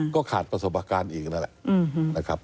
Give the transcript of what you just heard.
ก็ขาดประสบการณ์อีกนั่นแหละนะครับ